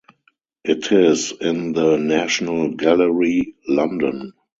It is in the National Gallery, London.